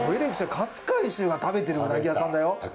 勝海舟が食べてるうなぎ屋さんだよ。